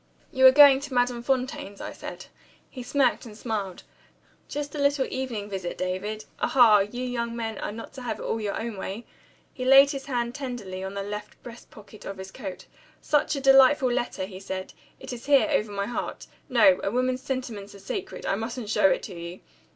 "You are going to Madame Fontaine's," I said. He smirked and smiled. "Just a little evening visit, David. Aha! you young men are not to have it all your own way." He laid his hand tenderly on the left breast pocket of his coat. "Such a delightful letter!" he said. "It is here, over my heart. No, a woman's sentiments are sacred; I mustn't show it to you."